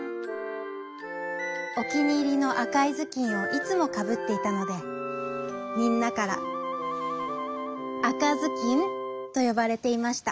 おきにいりのあかいずきんをいつもかぶっていたのでみんなからあかずきんとよばれていました。